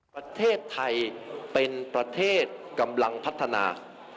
ประเทศไทยเป็นประเทศกำลังพัฒนา